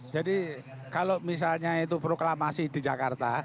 jadi kalau misalnya itu proklamasi di jakarta